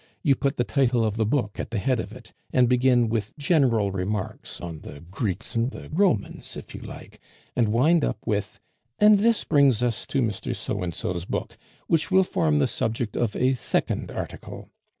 You put the title of the book at the head of it, and begin with general remarks, on the Greeks and the Romans if you like, and wind up with 'and this brings us to Mr. So and so's book, which will form the subject of a second article.